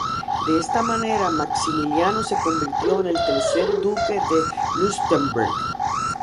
De esta manera Maximiliano se convirtió en el tercer duque de Leuchtenberg.